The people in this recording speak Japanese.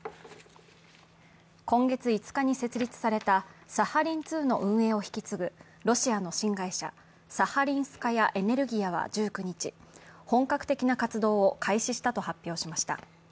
今月５日に設立されたサハリン２の運営を引き継ぐロシアの新会社、サハリンスカヤ・エネルギヤは１９日、本格的な活動を開始したと発表しました。